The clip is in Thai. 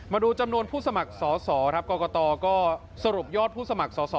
มาดูจำนวนผู้สมัครสอสอครับกรกตก็สรุปยอดผู้สมัครสอสอ